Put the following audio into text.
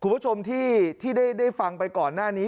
คุณผู้ชมที่ได้ฟังไปก่อนหน้านี้